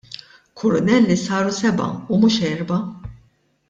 Kurunelli saru sebgħa u mhux erbgħa.